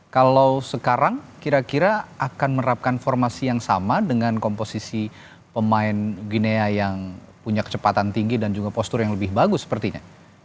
kalau sekarang kira kira akan menerapkan formasi yang sama dengan komposisi pemain ginea yang punya kecepatan tinggi dan juga postur yang lebih bagus sepertinya